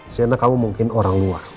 karena kamu mungkin orang luar